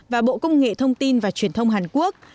và bộ công nghệ thông tin và truyền thông hàn quốc